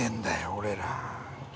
俺ら。